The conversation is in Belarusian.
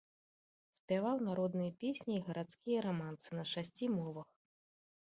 Спяваў народныя песні і гарадскія рамансы на шасці мовах.